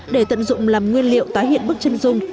để tận dụng làm nguyên liệu tái hiện bức chân dung